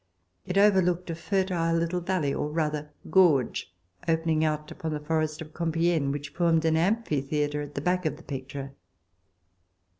It over looked a fertile little valley, or rather gorge, opening out upon the forest of Compiegne, which formed an amphitheatre at the back of the picture.